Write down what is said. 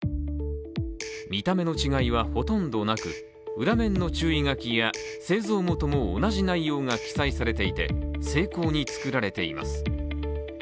見た目の違いはほとんどなく裏面の注意書きや製造元も同じ内容が記載されていて精巧に作られています。